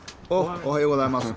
おおはようございます。